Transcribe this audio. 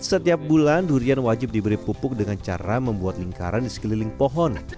setiap bulan durian wajib diberi pupuk dengan cara membuat lingkaran di sekeliling pohon